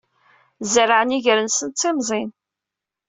Zerɛen iger-nsen d timẓin.